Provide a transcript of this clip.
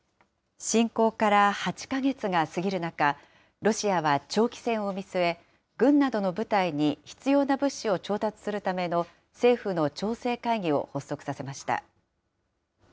侵攻から８か月が過ぎる中、ロシアは長期戦を見据え、軍などの部隊に必要な物資を調達するための政府の調整会議を発足させました。